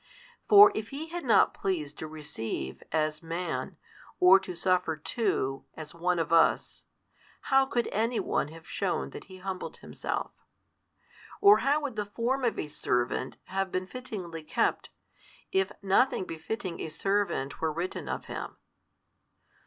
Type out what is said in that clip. For if He had not pleased to receive, as Man, or to suffer too, as one of us, how could any one have shewn that He humbled Himself? or how would the Form of a servant have been fittingly kept, if nothing befitting a servant were written of Him?